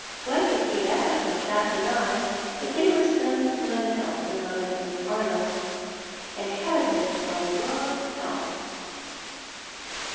One could sec that with half an eye ; but there was someone else in love with Miss Arnold, and had been for a long time."